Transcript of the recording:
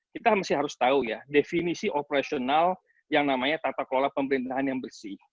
kita harus tahu ya definisi operasional yang namanya tata kelola pemerintahan yang bersih